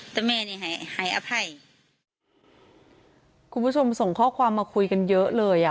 แต่แม่นี่ให้หายอภัยคุณผู้ชมส่งข้อความมาคุยกันเยอะเลยอ่ะ